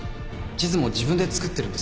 地図も自分で作ってるんです